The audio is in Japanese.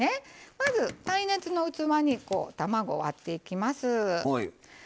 まず耐熱の器に卵を割っていきます。